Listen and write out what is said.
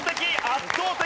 圧倒的！